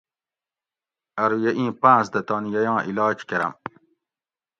ارو یہ ایں پاۤنس دہ تانی ییاں علاج کۤرم